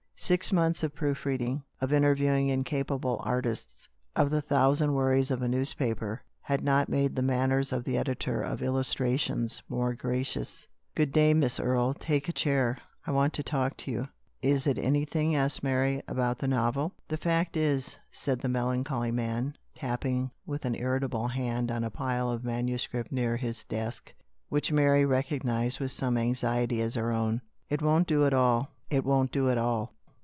Six months of proof reading, of interviewing incapable artists, of the thousand worries of a newspaper, had not made the manners of the editor of IWmtrar tions more gracious. "Good day, Miss Erie. Take a chair. Want to talk to you." " Is it anything," asked Mary, " about the novel ?"" The fact is," said the melancholy looking man, tapping with an irritable looking hand on a pile of manuscript near his desk, which Mary recognised, with some anxiety, as her own, " it won't do at all. It won't do at all."